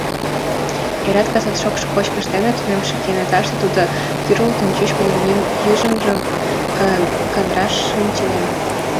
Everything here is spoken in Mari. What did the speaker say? Эрат-касат шокшо кочкыш дене тунемше кенеташте тудо кӱрылтын, чӱчкыдын йыжыҥжым кандараш шинчеден.